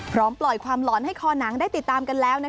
ปล่อยความหลอนให้คอหนังได้ติดตามกันแล้ว